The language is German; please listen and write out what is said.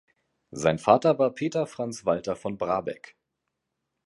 Sein Vater war "Peter Franz Walter von Brabeck".